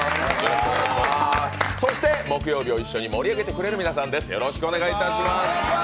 そして木曜日を一緒に盛り上げてくれる皆さんです。